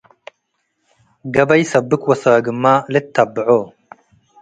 ገበይ ስብክ ወስግምመ ልትተብዖ ።